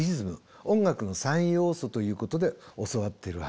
音楽の三要素ということで教わっているはずです。